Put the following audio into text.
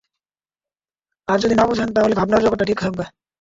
আর যদি না বোঝেন, তাহলেই ভাবনার জগৎটা ঠিক থাকবে।